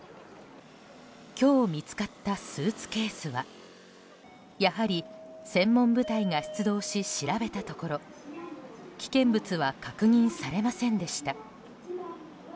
今日見つかったスーツケースはやはり、専門部隊が出動し調べたところ危険物は確認されませんでした。